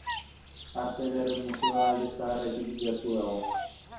Arte Ederren Museoa alde zaharretik gertu dago.